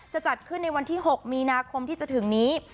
จะจัดขึ้นในวันที่๖มีนาคมที่จะถึงนี้